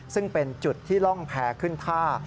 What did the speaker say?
ซึ่งเป็นจุดที่ร่องแพร่ขึ้นท่า